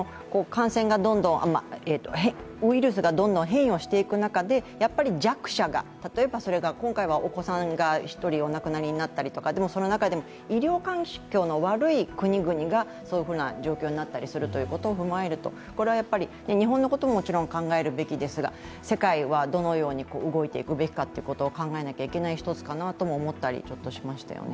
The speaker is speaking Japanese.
ウイルスがどんどん変異をしていく中で弱者が、例えば今回はお子さんが１人お亡くなりになったりとか、でも、その中でも医療環境の悪い国々がそういうふうな状況になったりするということを踏まえると日本のことももちろん考えるべきですが、世界はどのように動いていくべきかということも考えなきゃいけない一つかなと思いましたね。